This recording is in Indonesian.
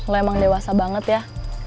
lo emang dewasa banget ya